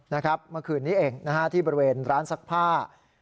เมื่อคืนนี้เองที่บริเวณร้านซักผ้า